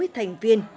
sáu mươi thành viên